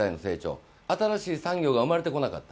新しい産業が生まれてこなかった、